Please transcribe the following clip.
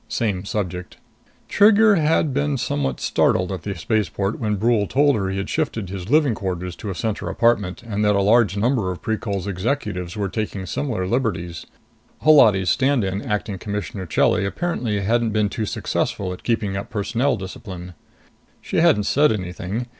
Same subject. Trigger had been somewhat startled at the spaceport when Brule told her he had shifted his living quarters to a Center apartment, and that a large number of Precol's executives were taking similar liberties. Holati's stand in, Acting Commissioner Chelly, apparently hadn't been too successful at keeping up personnel discipline. She hadn't said anything.